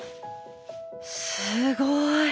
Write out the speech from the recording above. すごい！